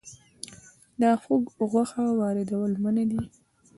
د خوګ غوښه واردول منع دي